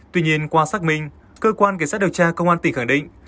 tuy nhiên qua xác minh cơ quan cảnh sát điều tra công an tỉnh khẳng định